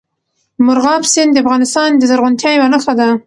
مورغاب سیند د افغانستان د زرغونتیا یوه نښه ده.